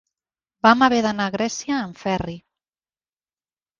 Vam haver d'anar a Grècia en ferri.